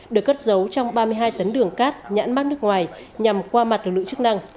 được cất giấu trong ba mươi hai tấn đường cát nhãn mát nước ngoài nhằm qua mặt lực lượng chức năng